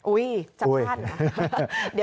อุ๊ยจำท่านนะ